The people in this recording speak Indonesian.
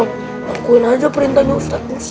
lakuin aja perintahnya ustadz musa